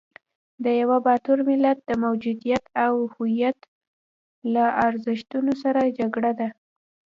د یوه باتور ملت د موجودیت او هویت له ارزښتونو سره جګړه ده.